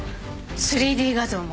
３Ｄ 画像も？